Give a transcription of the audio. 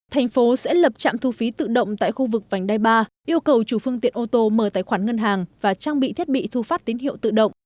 thành phố sẽ lập trạm thu phí tự động tại khu vực vành đai ba yêu cầu chủ phương tiện ô tô mở tài khoản ngân hàng và trang bị thiết bị thu phát tín hiệu tự động